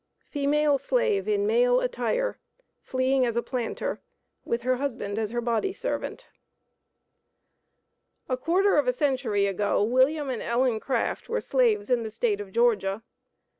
FEMALE SLAVE IN MALE ATTIRE, FLEEING AS A PLANTER, WITH HER HUSBAND AS HER BODY SERVANT. A quarter of a century ago, William and Ellen Craft were slaves in the State of Georgia.